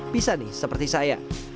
bisa nih seperti saya